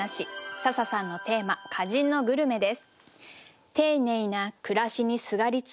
笹さんのテーマ「歌人のグルメ」です。